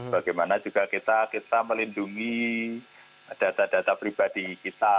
bagaimana juga kita melindungi data data pribadi kita